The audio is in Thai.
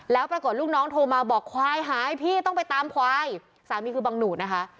แล้วปรากฏลูกน้องโทรมาบอกควายหายพี่ต้องไปตามควายสามีคือบังหนูดนะคะ